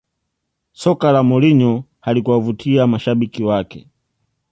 Soka la Mourinho halikuvutia mashabiki wake